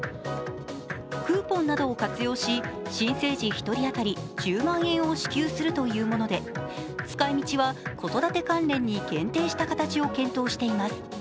クーポンなどを活用し新生児１人当たり１０万円を支給するというもので使い道は子育て関連に限定した形を検討しています。